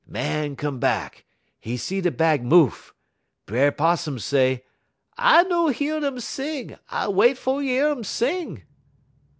Màn come bahk. 'E see da bag moof. B'er 'Possum say: "'I no yeddy dem sing. I wait fer yed um sing!'